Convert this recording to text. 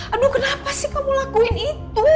aduh kenapa sih kamu lakuin itu